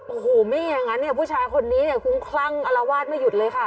โอ้โหไม่อย่างนั้นเนี่ยผู้ชายคนนี้เนี่ยคุ้มคลั่งอารวาสไม่หยุดเลยค่ะ